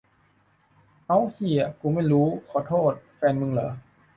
เอ้าเหี้ย กูไม่รู้ ขอโทษ แฟนมึงเหรอ